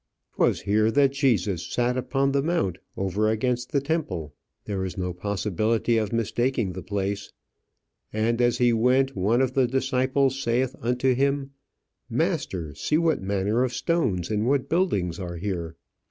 'Twas here that Jesus "sat upon the mount, over against the temple." There is no possibility of mistaking the place. "And as he went, one of the disciples saith unto him, 'Master, see what manner of stones and what buildings are here.'